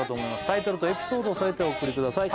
タイトルとエピソードを添えてお送りください